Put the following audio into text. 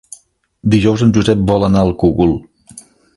Dijous en Josep vol anar al Cogul.